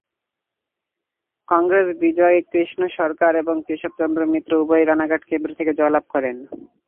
কংগ্রেস বিজয় কৃষ্ণ সরকার এবং কেশবচন্দ্র মিত্র উভয়েই রানাঘাট কেন্দ্র থেকে জয়লাভ করেন।